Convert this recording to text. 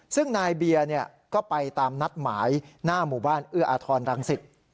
ซึ่งนายเบียร์ก็ไปตามนัดหมายหน้าหมู่บ้านเอื้ออาทรรังสิต